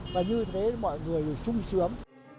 và như thế mọi người là sung sướng